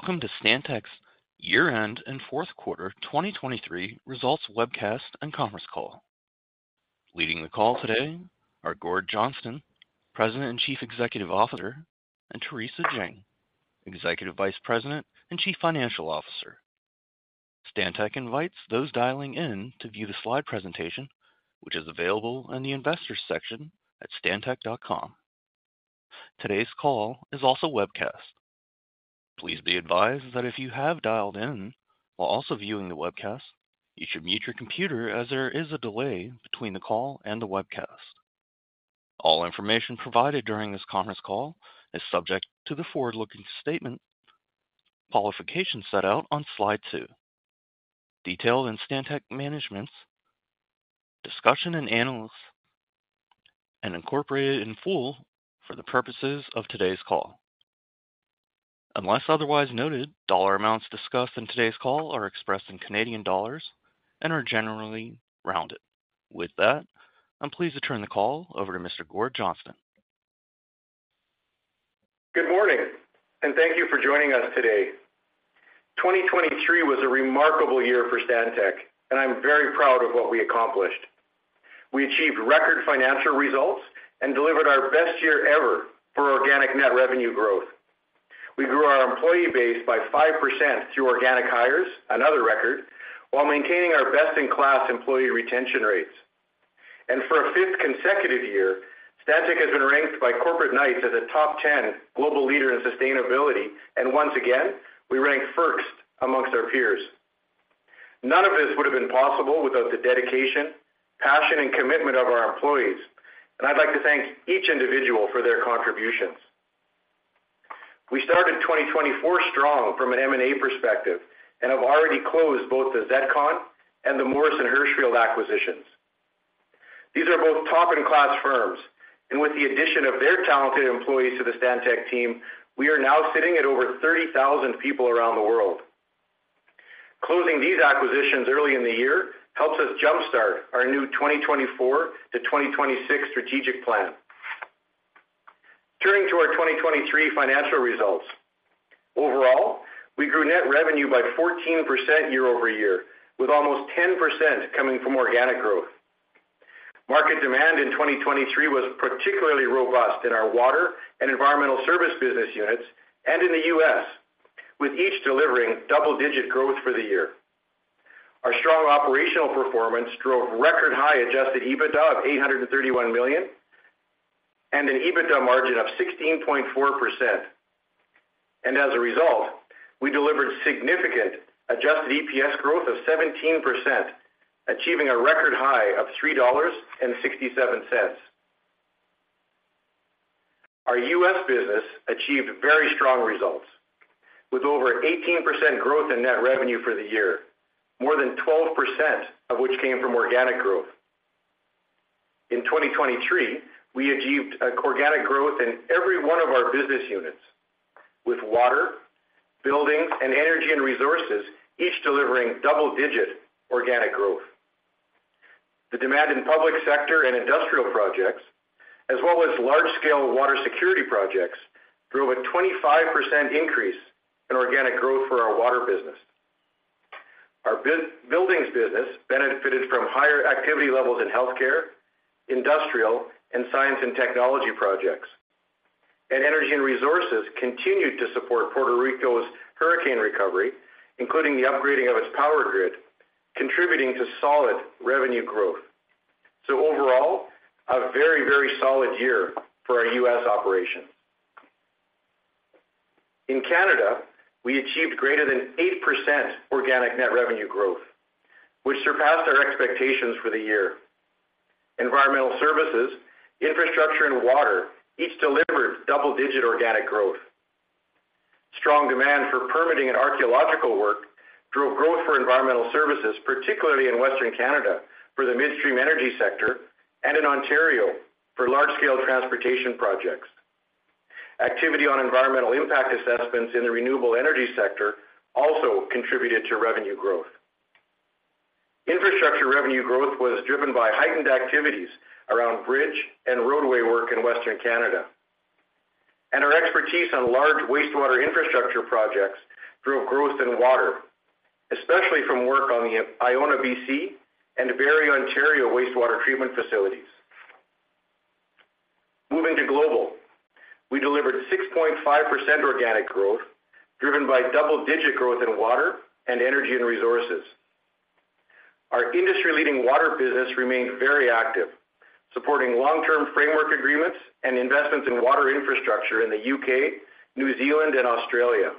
Welcome to Stantec's year-end and fourth quarter 2023 results webcast and conference call. Leading the call today are Gord Johnston, President and Chief Executive Officer, and Theresa Jang, Executive Vice President and Chief Financial Officer. Stantec invites those dialing in to view the slide presentation, which is available in the Investors section at stantec.com. Today's call is also webcast. Please be advised that if you have dialed in while also viewing the webcast, you should mute your computer as there is a delay between the call and the webcast. All information provided during this conference call is subject to the forward-looking statement qualification set out on slide 2, detailed in Stantec's Management's Discussion and Analysis, and incorporated in full for the purposes of today's call. Unless otherwise noted, dollar amounts discussed in today's call are expressed in Canadian dollars and are generally rounded. With that, I'm pleased to turn the call over to Mr. Gord Johnston. Good morning, and thank you for joining us today. 2023 was a remarkable year for Stantec, and I'm very proud of what we accomplished. We achieved record financial results and delivered our best year ever for organic net revenue growth. We grew our employee base by 5% through organic hires, another record, while maintaining our best-in-class employee retention rates. For a fifth consecutive year, Stantec has been ranked by Corporate Knights as a top ten global leader in sustainability, and once again, we ranked first amongst our peers. None of this would have been possible without the dedication, passion, and commitment of our employees, and I'd like to thank each individual for their contributions. We started 2024 strong from an M&A perspective and have already closed both the ZETCON and the Morrison Hershfield acquisitions. These are both top-in-class firms, and with the addition of their talented employees to the Stantec team, we are now sitting at over 30,000 people around the world. Closing these acquisitions early in the year helps us jumpstart our new 2024 to 2026 strategic plan. Turning to our 2023 financial results. Overall, we grew net revenue by 14% year-over-year, with almost 10% coming from organic growth. Market demand in 2023 was particularly robust in our water and environmental service business units and in the U.S., with each delivering double-digit growth for the year. Our strong operational performance drove record-high adjusted EBITDA of 831 million and an EBITDA margin of 16.4%. And as a result, we delivered significant adjusted EPS growth of 17%, achieving a record high of 3.67 dollars. Our U.S. business achieved very strong results, with over 18% growth in net revenue for the year, more than 12% of which came from organic growth. In 2023, we achieved organic growth in every one of our business units, with water, building, and energy and resources, each delivering double-digit organic growth. The demand in public sector and industrial projects, as well as large-scale water security projects, drove a 25% increase in organic growth for our water business. Our buildings business benefited from higher activity levels in healthcare, industrial, and science and technology projects. And energy and resources continued to support Puerto Rico's hurricane recovery, including the upgrading of its power grid, contributing to solid revenue growth. So overall, a very, very solid year for our U.S. operations. In Canada, we achieved greater than 8% organic net revenue growth, which surpassed our expectations for the year. Environmental services, infrastructure, and water each delivered double-digit organic growth. Strong demand for permitting and archaeological work drove growth for environmental services, particularly in Western Canada, for the midstream energy sector and in Ontario for large-scale transportation projects. Activity on environmental impact assessments in the renewable energy sector also contributed to revenue growth. Infrastructure revenue growth was driven by heightened activities around bridge and roadway work in Western Canada. Our expertise on large wastewater infrastructure projects drove growth in water, especially from work on the Iona, BC, and Barrie, Ontario, wastewater treatment facilities. Moving to global, we delivered 6.5% organic growth, driven by double-digit growth in water and energy and resources. Our industry-leading water business remained very active, supporting long-term framework agreements and investments in water infrastructure in the UK, New Zealand, and Australia.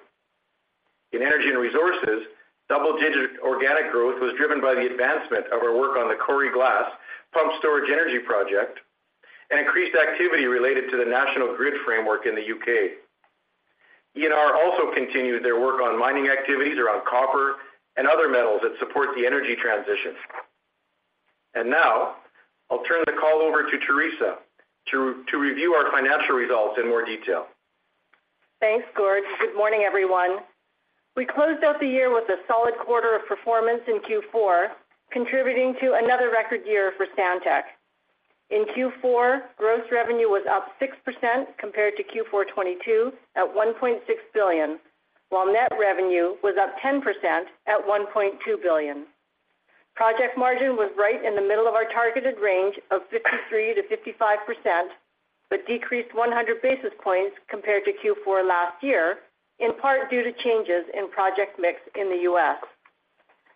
In energy and resources, double-digit organic growth was driven by the advancement of our work on the Coire Glas Pumped Storage Energy project and increased activity related to the national grid framework in the UK. E&R also continued their work on mining activities around copper and other metals that support the energy transition. And now I'll turn the call over to Theresa to review our financial results in more detail. Thanks, Gord. Good morning, everyone. We closed out the year with a solid quarter of performance in Q4, contributing to another record year for Stantec.... In Q4, gross revenue was up 6% compared to Q4 2022 at 1.6 billion, while net revenue was up 10% at 1.2 billion. Project margin was right in the middle of our targeted range of 53%-55%, but decreased 100 basis points compared to Q4 last year, in part due to changes in project mix in the US.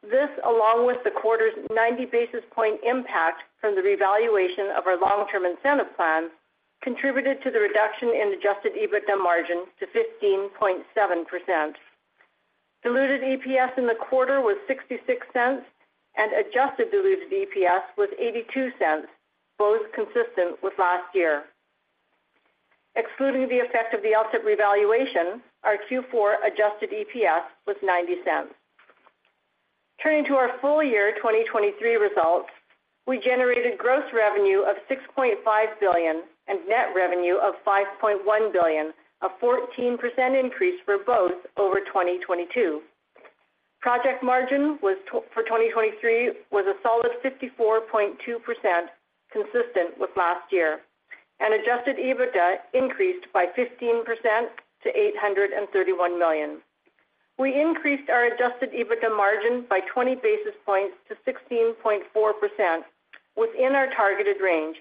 This, along with the quarter's 90 basis point impact from the revaluation of our long-term incentive plan, contributed to the reduction in adjusted EBITDA margin to 15.7%. Diluted EPS in the quarter was 0.66, and adjusted diluted EPS was 0.82, both consistent with last year. Excluding the effect of the LTIP revaluation, our Q4 adjusted EPS was 0.90. Turning to our full year 2023 results, we generated gross revenue of 6.5 billion and net revenue of 5.1 billion, a 14% increase for both over 2022. Project margin for 2023 was a solid 54.2%, consistent with last year, and adjusted EBITDA increased by 15% to 831 million. We increased our adjusted EBITDA margin by 20 basis points to 16.4% within our targeted range.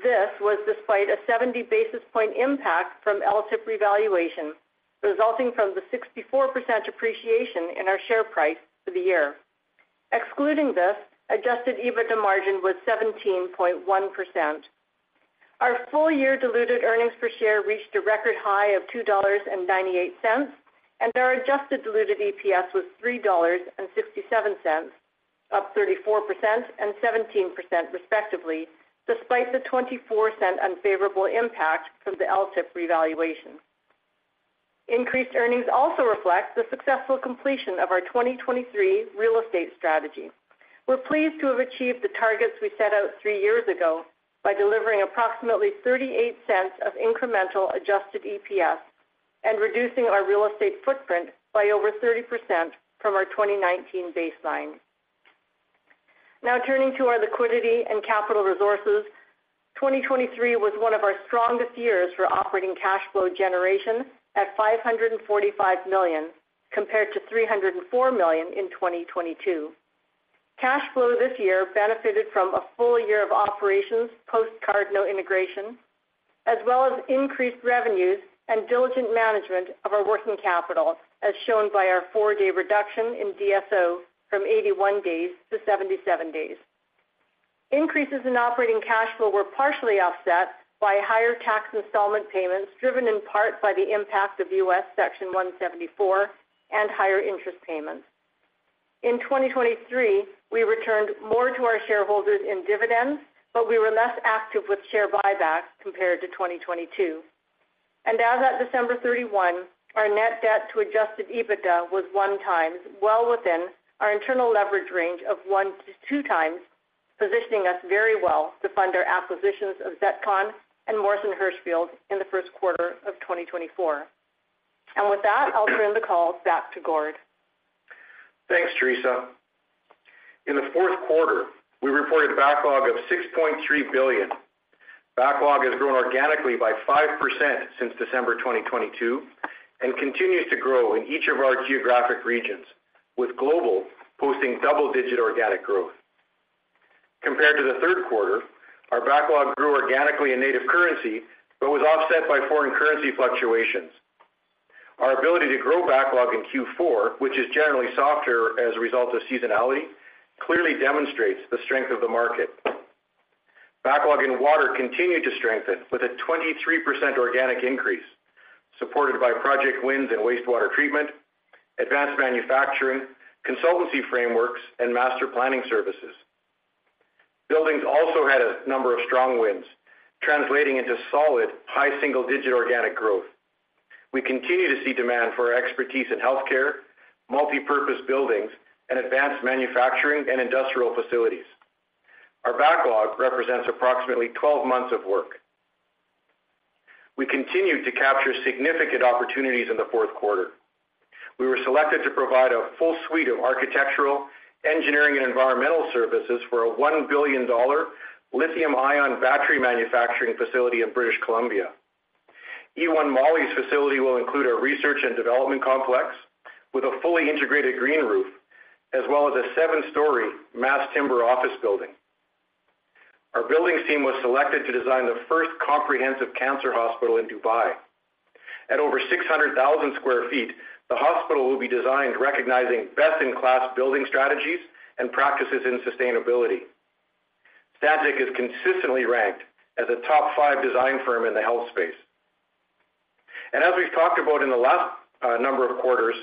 This was despite a 70 basis point impact from LTIP revaluation, resulting from the 64% depreciation in our share price for the year. Excluding this, adjusted EBITDA margin was 17.1%. Our full-year diluted earnings per share reached a record high of 2.98 dollars, and our adjusted diluted EPS was 3.67 dollars, up 34% and 17% respectively, despite the 0.24 unfavorable impact from the LTIP revaluation. Increased earnings also reflect the successful completion of our 2023 real estate strategy. We're pleased to have achieved the targets we set out three years ago by delivering approximately 0.38 of incremental adjusted EPS and reducing our real estate footprint by over 30% from our 2019 baseline. Now, turning to our liquidity and capital resources. 2023 was one of our strongest years for operating cash flow generation at 545 million, compared to 304 million in 2022. Cash flow this year benefited from a full year of operations post Cardno integration, as well as increased revenues and diligent management of our working capital, as shown by our 4-day reduction in DSO from 81 days to 77 days. Increases in operating cash flow were partially offset by higher tax installment payments, driven in part by the impact of US Section 174 and higher interest payments. In 2023, we returned more to our shareholders in dividends, but we were less active with share buybacks compared to 2022. As at December 31, our net debt to adjusted EBITDA was 1x, well within our internal leverage range of 1-2x, positioning us very well to fund our acquisitions of ZETCON and Morrison Hershfield in the first quarter of 2024. With that, I'll turn the call back to Gord. Thanks, Theresa. In the fourth quarter, we reported a backlog of 6.3 billion. Backlog has grown organically by 5% since December 2022 and continues to grow in each of our geographic regions, with global posting double-digit organic growth. Compared to the third quarter, our backlog grew organically in native currency, but was offset by foreign currency fluctuations. Our ability to grow backlog in Q4, which is generally softer as a result of seasonality, clearly demonstrates the strength of the market. Backlog in water continued to strengthen with a 23% organic increase, supported by project wins in wastewater treatment, advanced manufacturing, consultancy frameworks, and master planning services. Buildings also had a number of strong wins, translating into solid, high single-digit organic growth. We continue to see demand for our expertise in healthcare, multipurpose buildings, and advanced manufacturing and industrial facilities. Our backlog represents approximately 12 months of work. We continued to capture significant opportunities in the fourth quarter. We were selected to provide a full suite of architectural, engineering, and environmental services for a 1 billion dollar lithium-ion battery manufacturing facility in British Columbia. E-One Moli's facility will include a research and development complex with a fully integrated green roof, as well as a 7-story mass timber office building. Our buildings team was selected to design the first comprehensive cancer hospital in Dubai. At over 600,000 sq ft, the hospital will be designed recognizing best-in-class building strategies and practices in sustainability. Stantec is consistently ranked as a top 5 design firm in the health space. As we've talked about in the last, number of quarters,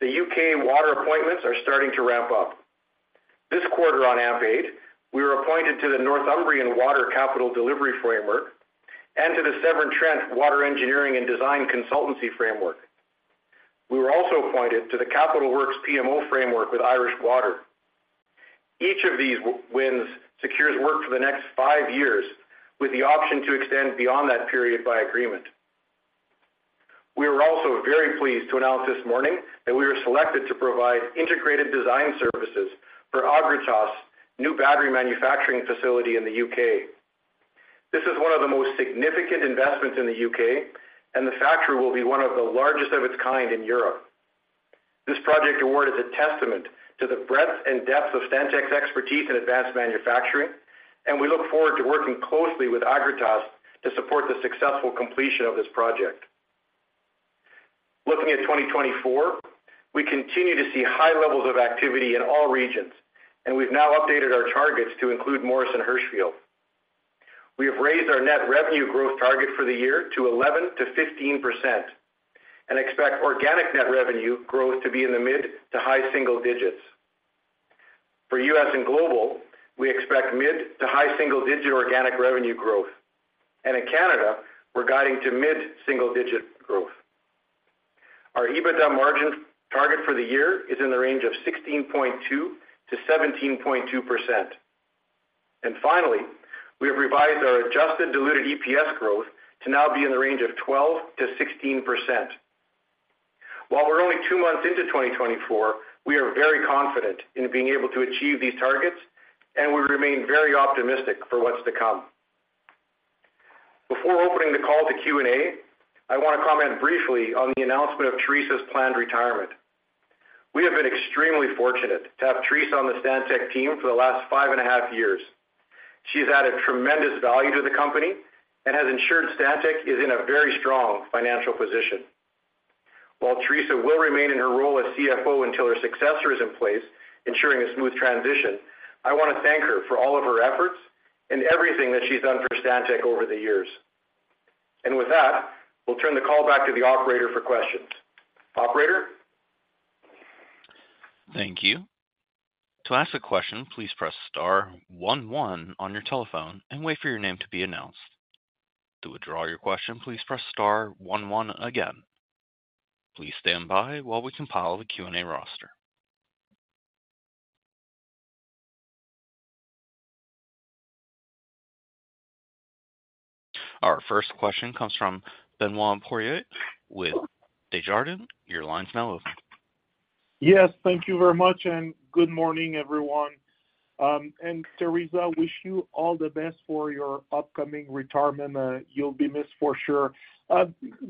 the UK water appointments are starting to ramp up. This quarter on AMP8, we were appointed to the Northumbrian Water Capital Delivery Framework and to the Severn Trent Water Engineering and Design Consultancy Framework. We were also appointed to the Capital Works PMO framework with Irish Water. Each of these wins secures work for the next five years, with the option to extend beyond that period by agreement. We are also very pleased to announce this morning that we were selected to provide integrated design services for Agratas' new battery manufacturing facility in the UK. This is one of the most significant investments in the UK, and the factory will be one of the largest of its kind in Europe. This project award is a testament to the breadth and depth of Stantec's expertise in advanced manufacturing, and we look forward to working closely with Agratas to support the successful completion of this project. Looking at 2024, we continue to see high levels of activity in all regions, and we've now updated our targets to include Morrison Hershfield. We have raised our net revenue growth target for the year to 11%-15% and expect organic net revenue growth to be in the mid to high single digits. For US and global, we expect mid to high single digit organic revenue growth, and in Canada, we're guiding to mid-single digit growth. Our EBITDA margin target for the year is in the range of 16.2%-17.2%. And finally, we have revised our adjusted diluted EPS growth to now be in the range of 12%-16%. While we're only 2 months into 2024, we are very confident in being able to achieve these targets, and we remain very optimistic for what's to come. Before opening the call to Q&A, I wanna comment briefly on the announcement of Theresa's planned retirement. We have been extremely fortunate to have Theresa on the Stantec team for the last five and a half years. She has added tremendous value to the company and has ensured Stantec is in a very strong financial position. While Theresa will remain in her role as CFO until her successor is in place, ensuring a smooth transition, I wanna thank her for all of her efforts and everything that she's done for Stantec over the years. With that, we'll turn the call back to the operator for questions. Operator? Thank you. To ask a question, please press star one, one on your telephone and wait for your name to be announced. To withdraw your question, please press star one, one again. Please stand by while we compile the Q&A roster. Our first question comes from Benoit Poirier with Desjardins. Your line's now open. Yes, thank you very much, and good morning, everyone. And Theresa, wish you all the best for your upcoming retirement. You'll be missed for sure.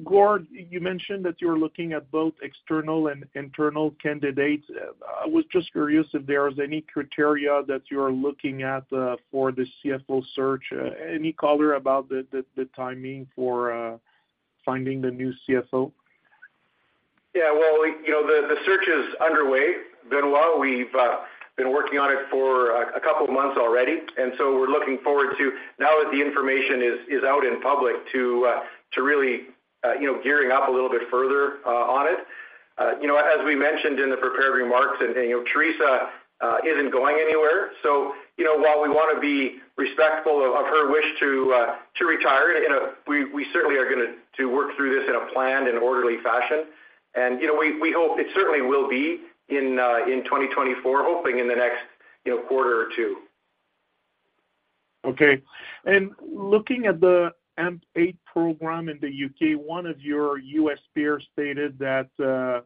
Gord, you mentioned that you're looking at both external and internal candidates. I was just curious if there is any criteria that you're looking at for the CFO search. Any color about the timing for finding the new CFO? Yeah, well, you know, the search is underway, Benoit. We've been working on it for a couple of months already, and so we're looking forward to, now that the information is out in public, to really, you know, gearing up a little bit further on it. You know, as we mentioned in the prepared remarks, and you know, Theresa isn't going anywhere. So, you know, while we wanna be respectful of her wish to retire, we certainly are gonna to work through this in a planned and orderly fashion. And, you know, we hope it certainly will be in 2024, hoping in the next, you know, quarter or two. Okay. And looking at the AMP8 program in the U.K., one of your US peers stated that,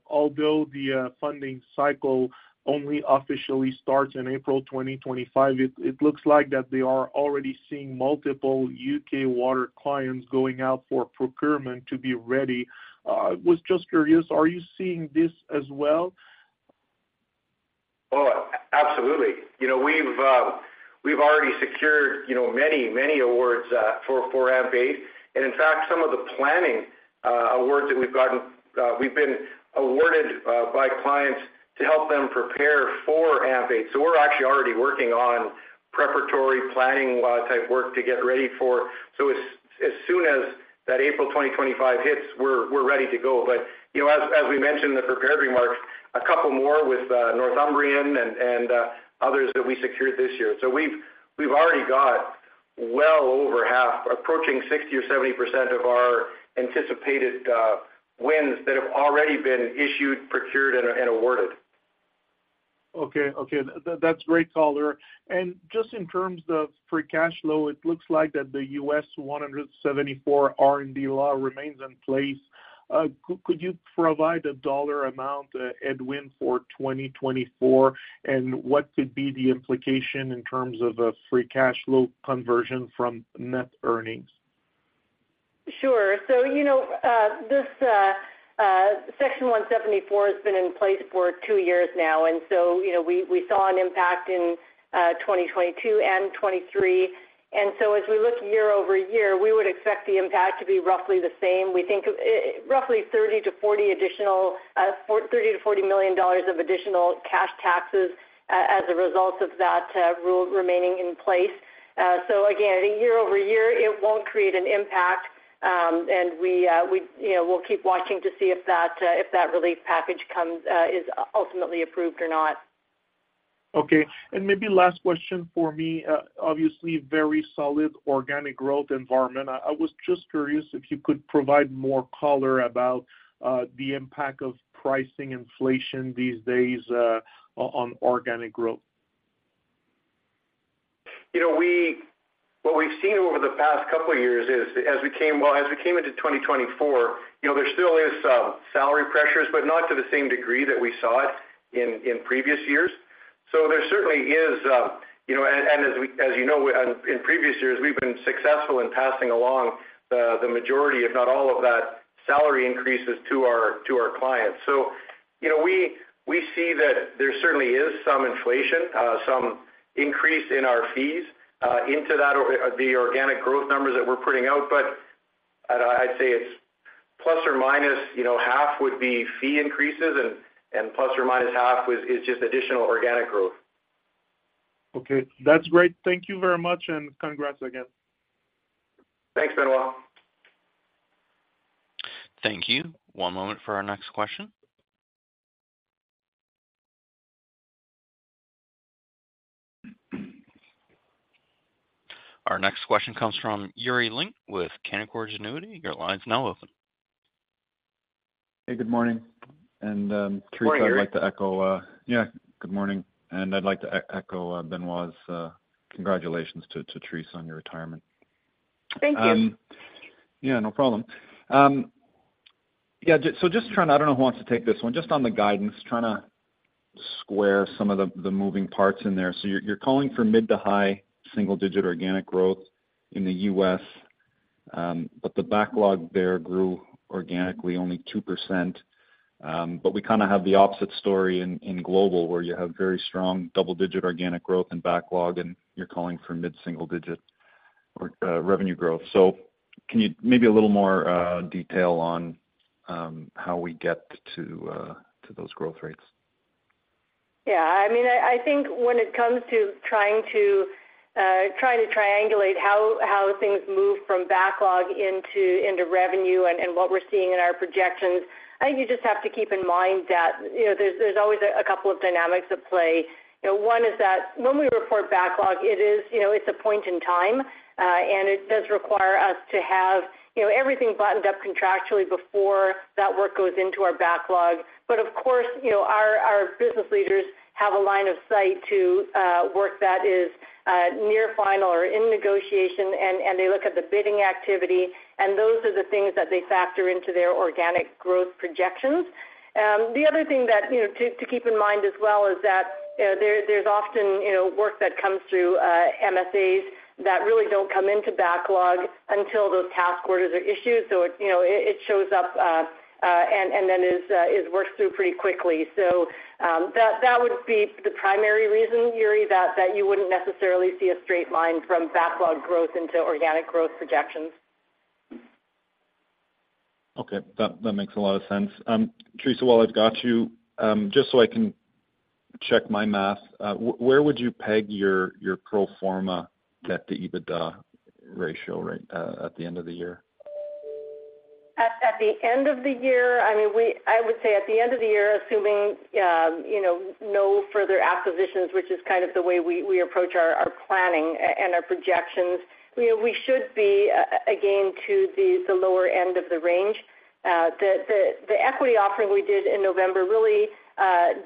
although the, funding cycle only officially starts in April 2025, it, it looks like that they are already seeing multiple U.K. water clients going out for procurement to be ready. Was just curious, are you seeing this as well? Oh, absolutely. You know, we've already secured, you know, many, many awards for AMP8. And in fact, some of the planning awards that we've gotten, we've been awarded by clients to help them prepare for AMP8. So we're actually already working on preparatory planning type work to get ready for. So as soon as that April twenty twenty-five hits, we're ready to go. But, you know, as we mentioned in the prepared remarks, a couple more with Northumbrian and others that we secured this year. So we've already got well over half, approaching 60% or 70% of our anticipated wins that have already been issued, procured, and awarded. Okay, okay. That's great color. And just in terms of free cash flow, it looks like that the U.S. 174 R&D law remains in place. Could you provide a dollar amount, headwind, for 2024, and what could be the implication in terms of a free cash flow conversion from net earnings? Sure. So, you know, this Section 174 has been in place for two years now, and so, you know, we saw an impact in 2022 and 2023. And so as we look year-over-year, we would expect the impact to be roughly the same. We think roughly $30 million-$40 million of additional cash taxes as a result of that rule remaining in place. So again, year-over-year, it won't create an impact, and we, you know, we'll keep watching to see if that relief package comes, is ultimately approved or not. Okay. And maybe last question for me. Obviously, very solid organic growth environment. I was just curious if you could provide more color about the impact of pricing inflation these days on organic growth?... you know, we, what we've seen over the past couple of years is as we came, well, as we came into 2024, you know, there still is, salary pressures, but not to the same degree that we saw it in, in previous years. So there certainly is, you know, and, and as we, as you know, in, in previous years, we've been successful in passing along the, the majority, if not all of that salary increases to our, to our clients. So, you know, we, we see that there certainly is some inflation, some increase in our fees, into that, or the organic growth numbers that we're putting out. But I'd, I'd say it's ±, you know, half would be fee increases, and, and ± half is, is just additional organic growth. Okay, that's great. Thank you very much, and congrats again. Thanks, Benoit. Thank you. One moment for our next question. Our next question comes from Yuri Lynk with Canaccord Genuity. Your line's now open. Hey, good morning. Good morning, Yuri. I'd like to echo. Yeah, good morning. I'd like to echo Benoit's congratulations to Theresa on your retirement. Thank you. Yeah, no problem. Yeah, so just trying to, I don't know who wants to take this one. Just on the guidance, trying to square some of the, the moving parts in there. So you're, you're calling for mid- to high single-digit organic growth in the U.S., but the backlog there grew organically only 2%. But we kind of have the opposite story in, in global, where you have very strong double-digit organic growth and backlog, and you're calling for mid-single-digit or revenue growth. So can you maybe a little more detail on, how we get to, to those growth rates? Yeah, I mean, I think when it comes to trying to triangulate how things move from backlog into revenue and what we're seeing in our projections, I think you just have to keep in mind that, you know, there's always a couple of dynamics at play. You know, one is that when we report backlog, it is, you know, it's a point in time, and it does require us to have, you know, everything buttoned up contractually before that work goes into our backlog. But of course, you know, our business leaders have a line of sight to work that is near final or in negotiation, and they look at the bidding activity, and those are the things that they factor into their organic growth projections. The other thing that, you know, to keep in mind as well is that there's often, you know, work that comes through MSAs that really don't come into backlog until those task orders are issued. So it, you know, it shows up and then is worked through pretty quickly. So that would be the primary reason, Yuri, that you wouldn't necessarily see a straight line from backlog growth into organic growth projections. Okay. That makes a lot of sense. Theresa, while I've got you, just so I can check my math, where would you peg your pro forma debt to EBITDA ratio at the end of the year? At the end of the year, I mean, we, I would say at the end of the year, assuming, you know, no further acquisitions, which is kind of the way we approach our planning and our projections, you know, we should be, again, to the lower end of the range. The equity offering we did in November really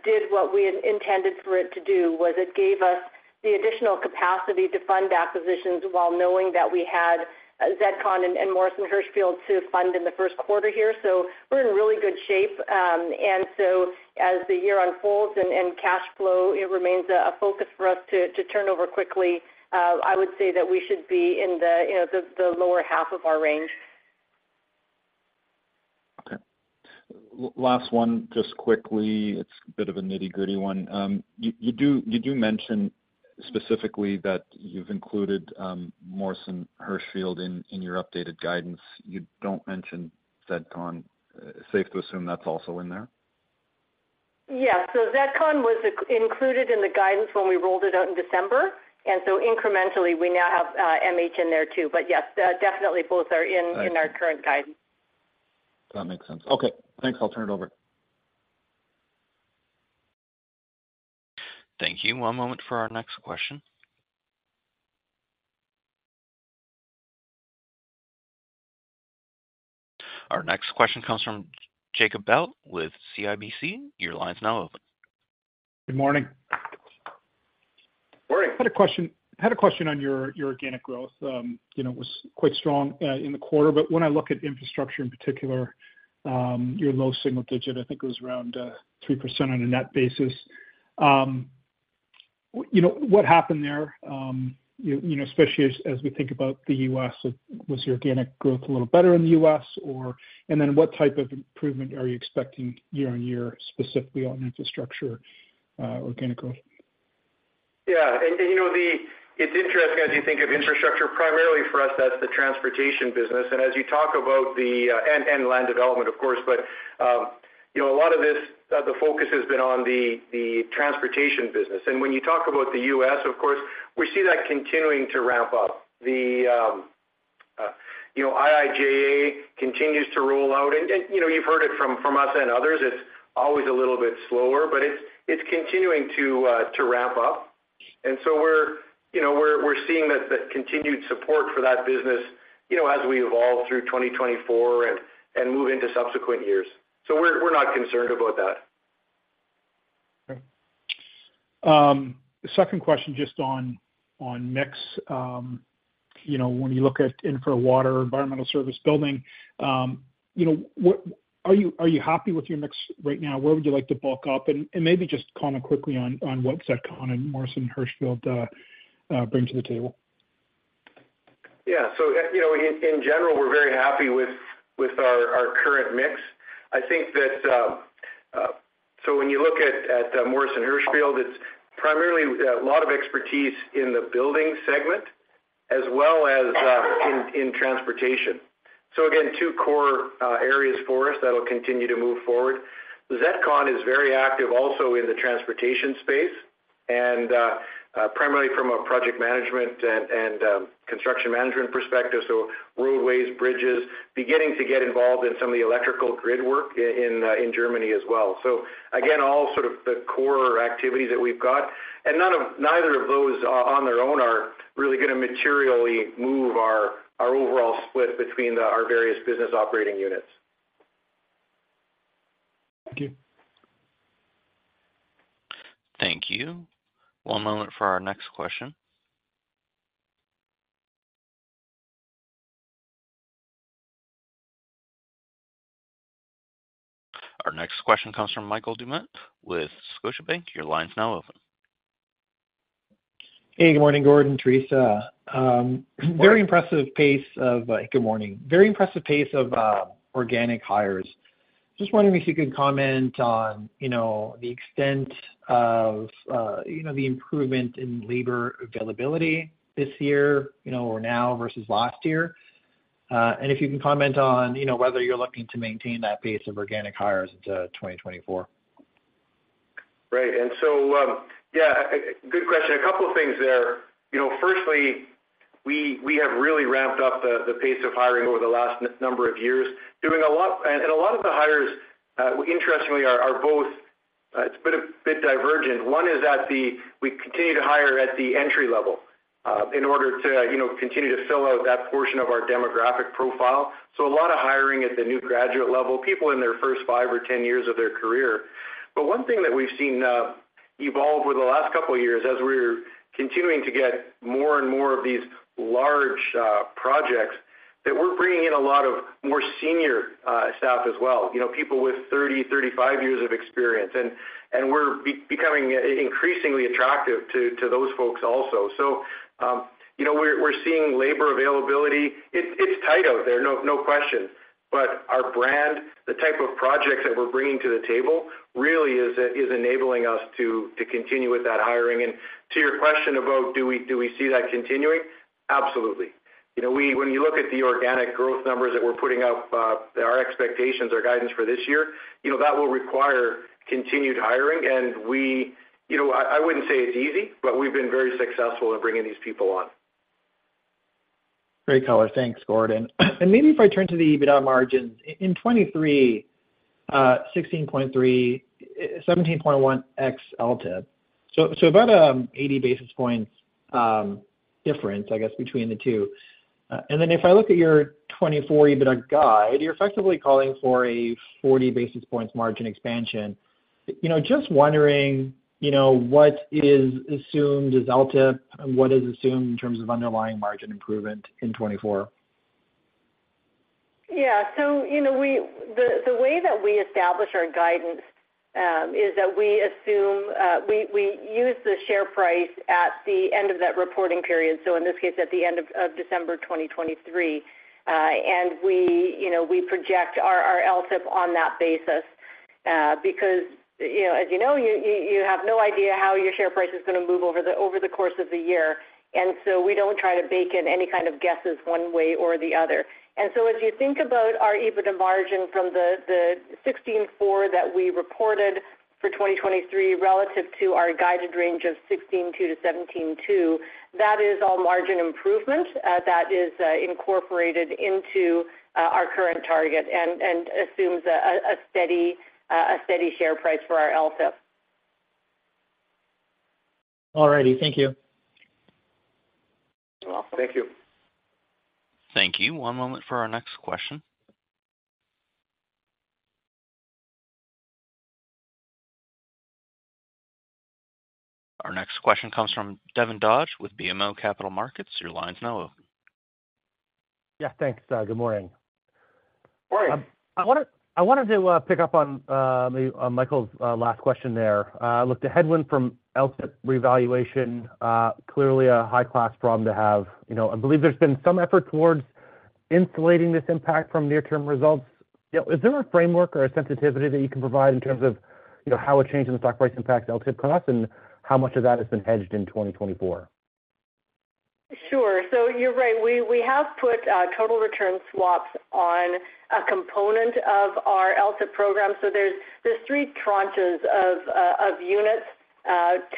did what we had intended for it to do, was it gave us the additional capacity to fund acquisitions while knowing that we had ZETCON and Morrison Hershfield to fund in the first quarter here. So we're in really good shape. So as the year unfolds and cash flow, it remains a focus for us to turn over quickly. I would say that we should be in the, you know, the lower half of our range. Okay. Last one, just quickly, it's a bit of a nitty-gritty one. You do mention specifically that you've included Morrison Hershfield in your updated guidance. You don't mention ZETCON. Safe to assume that's also in there? Yeah. So ZETCON was included in the guidance when we rolled it out in December, and so incrementally, we now have MH in there, too. But yes, definitely both are in- Thank you. -in our current guidance. That makes sense. Okay, thanks. I'll turn it over. Thank you. One moment for our next question. Our next question comes from Jacob Bout with CIBC. Your line's now open. Good morning. Morning. I had a question, had a question on your, your organic growth. You know, it was quite strong in the quarter, but when I look at infrastructure in particular, your low single digit, I think it was around 3% on a net basis. You know, what happened there? You know, especially as we think about the U.S., was the organic growth a little better in the U.S., or... And then what type of improvement are you expecting year-on-year, specifically on infrastructure organic growth? Yeah, and you know, it's interesting as you think of infrastructure, primarily for us, that's the transportation business. And as you talk about the land development, of course, but you know, a lot of this the focus has been on the transportation business. And when you talk about the U.S., of course, we see that continuing to ramp up. The IIJA continues to roll out, and you know, you've heard it from us and others, it's always a little bit slower, but it's continuing to ramp up. And so we're you know, we're seeing that continued support for that business, you know, as we evolve through 2024 and move into subsequent years. So we're not concerned about that.... Okay. The second question, just on, on mix. You know, when you look at infra water, environmental service building, you know, what-- are you, are you happy with your mix right now? Where would you like to bulk up? And, and maybe just comment quickly on, on what ZETCON and Morrison Hershfield bring to the table. Yeah, so, you know, in general, we're very happy with our current mix. I think that, so when you look at Morrison Hershfield, it's primarily a lot of expertise in the building segment as well as in transportation. So again, two core areas for us that'll continue to move forward. ZETCON is very active also in the transportation space, and primarily from a project management and construction management perspective, so roadways, bridges, beginning to get involved in some of the electrical grid work in Germany as well. So again, all sort of the core activities that we've got, and neither of those on their own are really gonna materially move our overall split between our various business operating units. Thank you. Thank you. One moment for our next question. Our next question comes from Michael Dumais with Scotiabank. Your line's now open. Hey, good morning, Gord, Theresa. Morning. Good morning. Very impressive pace of organic hires. Just wondering if you could comment on, you know, the extent of, you know, the improvement in labor availability this year, you know, or now versus last year. And if you can comment on, you know, whether you're looking to maintain that pace of organic hires into 2024. Right. And so, yeah, good question. A couple of things there. You know, firstly, we have really ramped up the pace of hiring over the last number of years, doing a lot. And a lot of the hires, interestingly, are both; it's a bit divergent. One is at the; we continue to hire at the entry level in order to, you know, continue to fill out that portion of our demographic profile. So a lot of hiring at the new graduate level, people in their first 5 or 10 years of their career. But one thing that we've seen evolve over the last couple of years as we're continuing to get more and more of these large projects, that we're bringing in a lot more senior staff as well, you know, people with 30, 35 years of experience. And we're becoming increasingly attractive to those folks also. So, you know, we're seeing labor availability. It's tight out there, no question. But our brand, the type of projects that we're bringing to the table, really is enabling us to continue with that hiring. And to your question about do we see that continuing? Absolutely. You know, we, when you look at the organic growth numbers that we're putting up, our expectations, our guidance for this year, you know, that will require continued hiring. We, you know, I, I wouldn't say it's easy, but we've been very successful in bringing these people on. Great color. Thanks, Gordon. And maybe if I turn to the EBITDA margins. In 2023, 16.3, 17.1 ex LTIP. So about 80 basis points difference, I guess, between the two. And then if I look at your 2024 EBITDA guide, you're effectively calling for a 40 basis points margin expansion. You know, just wondering, you know, what is assumed as LTIP, and what is assumed in terms of underlying margin improvement in 2024? Yeah. So, you know, the way that we establish our guidance is that we assume we use the share price at the end of that reporting period, so in this case, at the end of December 2023. And we, you know, we project our LTIP on that basis because, you know, as you know, you have no idea how your share price is gonna move over the course of the year, and so we don't try to bake in any kind of guesses one way or the other. So as you think about our EBITDA margin from the 16.4 that we reported for 2023 relative to our guided range of 16.2%-17.2%, that is all margin improvement that is incorporated into our current target and assumes a steady share price for our LTIP. All righty. Thank you. Well, thank you. Thank you. One moment for our next question. Our next question comes from Devin Dodge with BMO Capital Markets. Your line's now open. Yeah, thanks. Good morning. Morning. I wanted to pick up on Michael's last question there. Look, the headwind from LTIP revaluation clearly a high-class problem to have. You know, I believe there's been some effort towards insulating this impact from near-term results. You know, is there a framework or a sensitivity that you can provide in terms of, you know, how a change in the stock price impacts LTIP for us, and how much of that has been hedged in 2024? Sure. So you're right. We, we have put total return swaps on a component of our LTIP program. So there's, there's three tranches of of units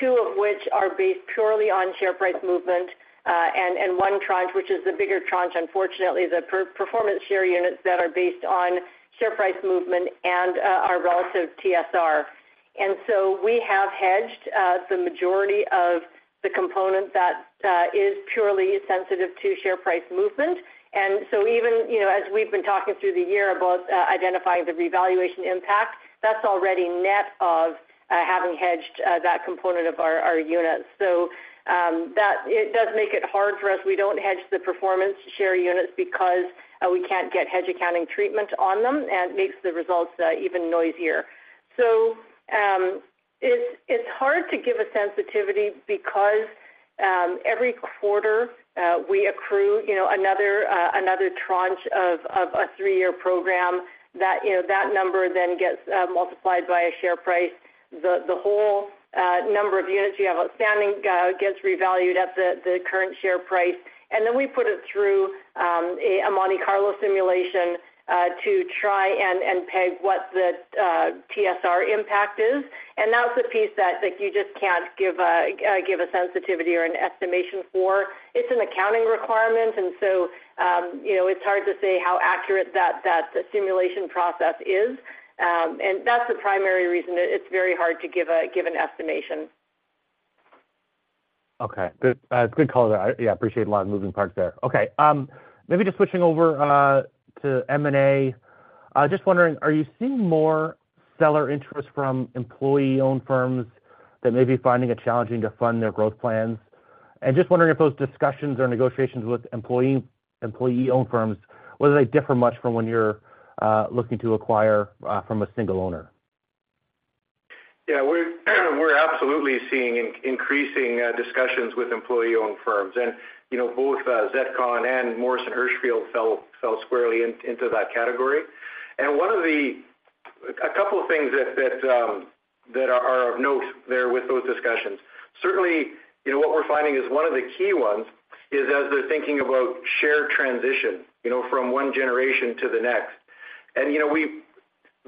two of which are based purely on share price movement and and one tranche, which is the bigger tranche, unfortunately, the performance share units that are based on share price movement and our relative TSR. And so we have hedged the majority of the component that is purely sensitive to share price movement. And so even, you know, as we've been talking through the year about identifying the revaluation impact, that's already net of having hedged that component of our, our units. So that it does make it hard for us. We don't hedge the performance share units because we can't get hedge accounting treatment on them, and it makes the results even noisier. So, it's hard to give a sensitivity because every quarter we accrue, you know, another tranche of a three-year program that, you know, that number then gets multiplied by a share price. The whole number of units you have outstanding gets revalued at the current share price, and then we put it through a Monte Carlo simulation to try and peg what the TSR impact is. And that's the piece that you just can't give a sensitivity or an estimation for. It's an accounting requirement, and so, you know, it's hard to say how accurate that simulation process is. That's the primary reason that it's very hard to give an estimation. Okay. Good, good call there. I, yeah, appreciate a lot of moving parts there. Okay, maybe just switching over to M&A. Just wondering, are you seeing more seller interest from employee-owned firms that may be finding it challenging to fund their growth plans? And just wondering if those discussions or negotiations with employee, employee-owned firms, whether they differ much from when you're looking to acquire from a single owner. Yeah, we're, we're absolutely seeing increasing discussions with employee-owned firms. And, you know, both ZETCON and Morrison Hershfield fell squarely into that category. And one of the... A couple of things that are of note there with those discussions. Certainly, you know, what we're finding is one of the key ones is as they're thinking about share transition, you know, from one generation to the next. And, you know,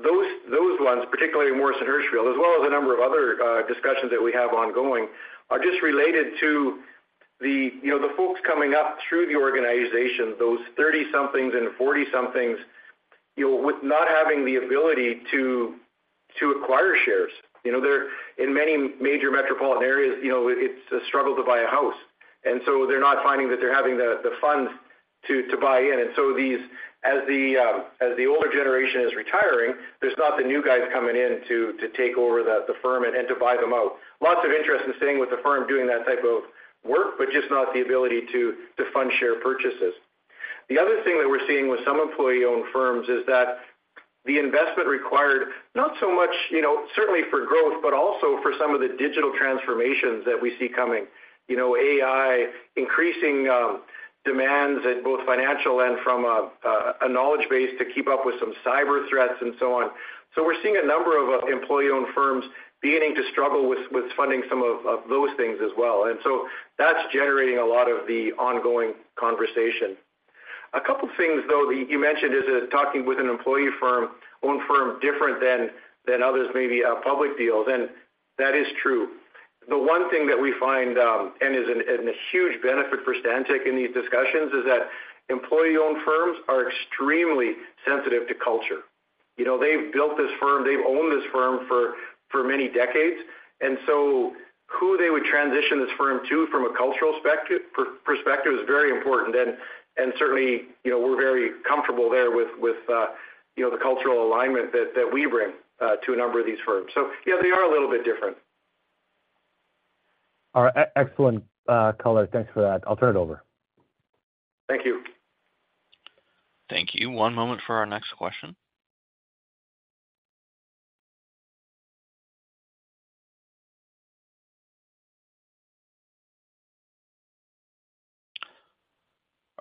those ones, particularly Morrison Hershfield, as well as a number of other discussions that we have ongoing, are just related to the, you know, the folks coming up through the organization, those thirty-somethings and forty-somethings, you know, with not having the ability to acquire shares. You know, they're in many major metropolitan areas, you know, it's a struggle to buy a house, and so they're not finding that they're having the funds to buy in. And so these, as the older generation is retiring, there's not the new guys coming in to take over the firm and to buy them out. Lots of interest in staying with the firm, doing that type of work, but just not the ability to fund share purchases. The other thing that we're seeing with some employee-owned firms is that the investment required, not so much, you know, certainly for growth, but also for some of the digital transformations that we see coming. You know, AI, increasing demands at both financial and from a knowledge base to keep up with some cyber threats and so on. So we're seeing a number of employee-owned firms beginning to struggle with funding some of those things as well, and so that's generating a lot of the ongoing conversation. A couple things, though, that you mentioned, is talking with an employee-owned firm, different than others, maybe a public deal, then that is true. The one thing that we find is a huge benefit for Stantec in these discussions, is that employee-owned firms are extremely sensitive to culture. You know, they've built this firm, they've owned this firm for many decades, and so who they would transition this firm to from a cultural perspective is very important. And certainly, you know, we're very comfortable there with you know, the cultural alignment that we bring to a number of these firms. So, yeah, they are a little bit different. All right. Excellent, color. Thanks for that. I'll turn it over. Thank you. Thank you. One moment for our next question.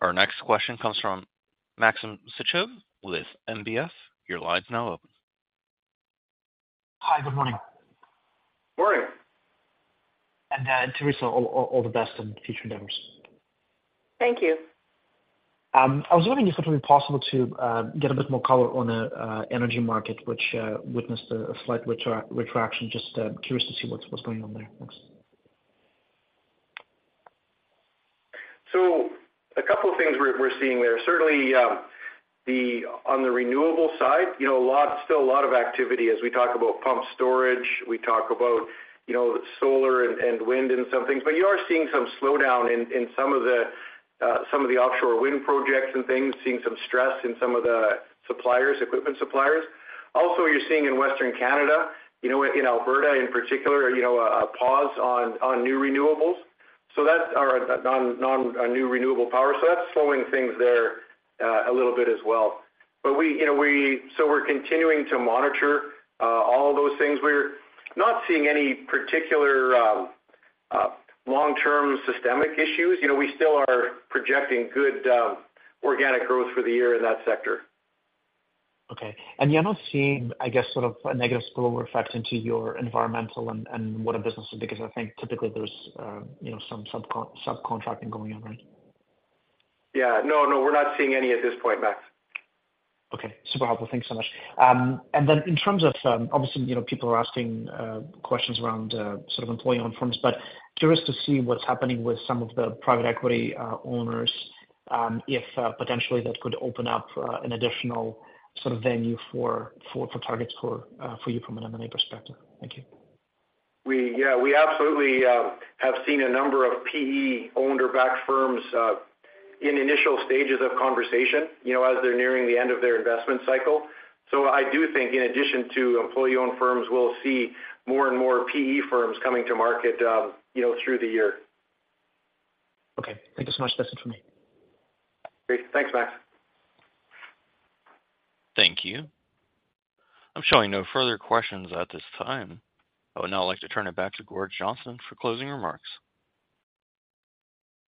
Our next question comes from Maxim Sytchev with NBF. Your line's now open. Hi, good morning. Morning! Theresa, all the best in future endeavors. Thank you. I was wondering if it would be possible to get a bit more color on the energy market, which witnessed a slight retraction. Just curious to see what's going on there. Thanks. So a couple of things we're seeing there. Certainly, on the renewable side, you know, a lot, still a lot of activity as we talk about pump storage, we talk about, you know, solar and wind and some things. But you are seeing some slowdown in some of the offshore wind projects and things, seeing some stress in some of the suppliers, equipment suppliers. Also, you're seeing in Western Canada, you know, in Alberta in particular, you know, a pause on new renewables. So that are non new renewable power. So that's slowing things there a little bit as well. But we, you know, so we're continuing to monitor all of those things. We're not seeing any particular long-term systemic issues. You know, we still are projecting good, organic growth for the year in that sector. Okay. And you're not seeing, I guess, sort of a negative spillover effect into your environmental and water businesses? Because I think typically there's, you know, some subcontracting going on, right? Yeah. No, no, we're not seeing any at this point, Max. Okay. Super helpful. Thanks so much. And then in terms of, obviously, you know, people are asking questions around sort of employee-owned firms, but curious to see what's happening with some of the private equity owners, if potentially that could open up an additional sort of venue for targets for you from an M&A perspective. Thank you. Yeah, we absolutely have seen a number of PE-owned or backed firms in initial stages of conversation, you know, as they're nearing the end of their investment cycle. So I do think in addition to employee-owned firms, we'll see more and more PE firms coming to market, you know, through the year. Okay. Thank you so much. That's it for me. Great. Thanks, Max. Thank you. I'm showing no further questions at this time. I would now like to turn it back to Gord Johnston for closing remarks.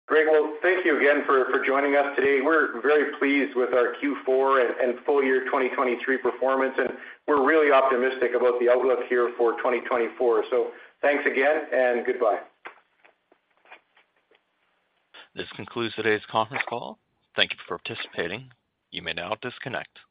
Great. Well, thank you again for joining us today. We're very pleased with our Q4 and full year 2023 performance, and we're really optimistic about the outlook here for 2024. So thanks again, and goodbye. This concludes today's conference call. Thank you for participating. You may now disconnect.